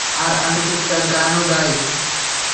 আর আমি টুকটাক গানও গাই।